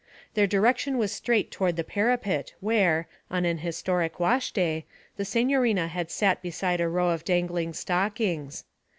Their direction was straight toward the parapet where, on an historic wash day, the signorina had sat beside a row of dangling stockings.